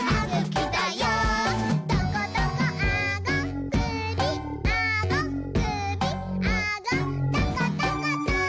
「トコトコあごくびあごくびあごトコトコト」